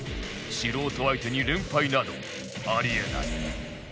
素人相手に連敗などあり得ない